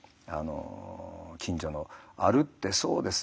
近所の歩ってそうですね